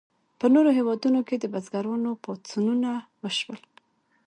په نورو هیوادونو کې د بزګرانو پاڅونونه وشول.